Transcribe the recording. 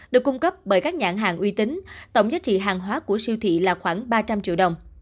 được cung cấp bởi các nhãn hàng uy tín tổng giá trị hàng hóa của siêu thị là khoảng ba trăm linh triệu đồng